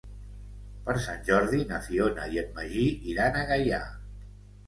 Per Sant Jordi na Fiona i en Magí iran a Gaià.